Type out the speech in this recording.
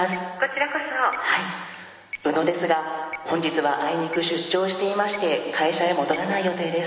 宇野ですが本日はあいにく出張していまして会社へ戻らない予定です。